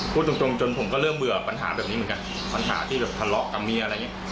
พูดตรงตรงจนผมก็เริ่มเบื่อปัญหาแบบนี้เหมือนกันปัญหาที่แบบทะเลาะกับเมียอะไรอย่างนี้